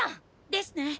ですね